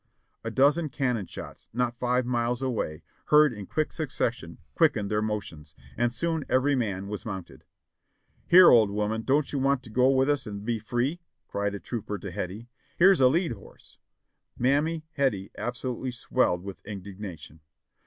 A dozen cannon shots, not five mi'es away, heard in quick suc cession, quickened their motions, and soon every man was mounted. "Here, old woman, don't you wane to go with us and be free?" cried a trooper to Hettie; "here's a led horse." Mammy Hettie absolutely swelled with indignation.